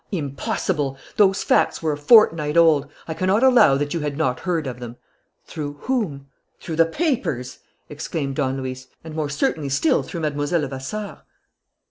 "Impossible! Those facts were a fortnight old. I cannot allow that you had not heard of them." "Through whom?" "Through the papers," exclaimed Don Luis. "And, more certainly still, through Mlle. Levasseur."